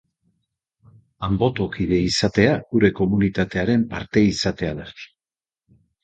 Anbotokide izatea gure komunitatearen parte izatea da.